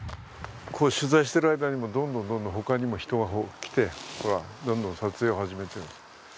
取材してる間にもどんどん他にも人が来て、どんどん撮影を始めている。